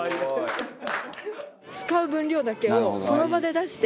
使う分量だけをその場で出して。